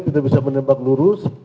kita bisa menembak lurus